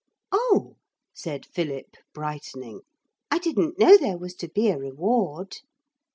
'Oh!' said Philip, brightening, 'I didn't know there was to be a reward.'